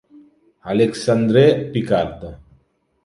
Alexandre Picard